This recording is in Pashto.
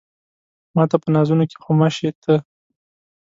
ماته په نازونو کې خو مه شې ته